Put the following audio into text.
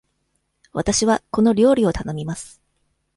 わたしはこの料理を頼みます。